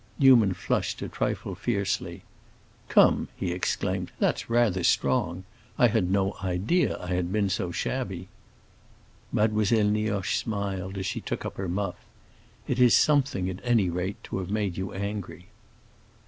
Newman flushed a trifle fiercely. "Come!" he exclaimed "that's rather strong. I had no idea I had been so shabby." Mademoiselle Nioche smiled as she took up her muff. "It is something, at any rate, to have made you angry."